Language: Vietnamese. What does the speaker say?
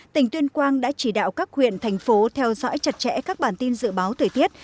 tỉnh tuyên quang đã chỉ đạo các huyện thành phố theo dõi chặt chẽ các bản tin dự báo thời tiết